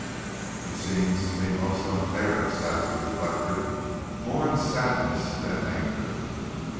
"It seems to me most unfair," Saxon reflected, more in sadness than anger.